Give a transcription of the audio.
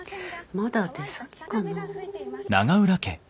まだ出先かな？